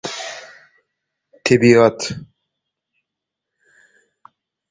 Ýöne adamlar ünslerini bu ugurda jemlemänlikleri sebäpli ýaragyň kämilleşmegi alty asyr aldy.